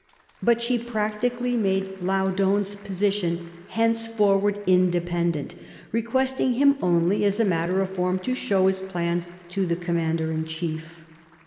But she practically made Laudon's position henceforward independent, requesting him only as a matter of form to show his plans to the commander in chief.